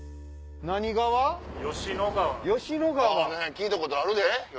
聞いたことあるで。